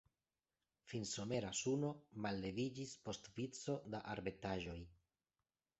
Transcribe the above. Finsomera suno malleviĝis post vico da arbetaĵoj.